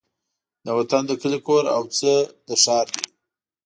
د وطن د کلي کور او څه د ښار دي